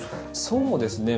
そうですね。